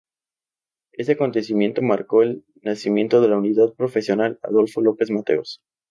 Ese acontecimiento marcó el nacimiento de la Unidad Profesional "Adolfo López Mateos".